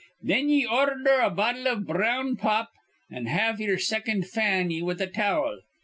Thin ye ordher a bottle iv brown pop, an' have ye'er second fan ye with a towel.